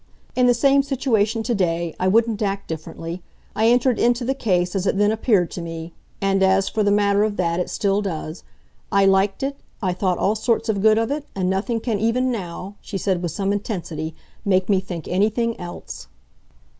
In the same situation, to day; I wouldn't act differently. I entered into the case as it then appeared to me and as, for the matter of that, it still does. I LIKED it, I thought all sorts of good of it, and nothing can even now," she said with some intensity, "make me think anything else."